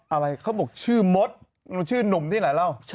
อะไรเขาบอกชื่อมดชื่อนุมที่หลายรอก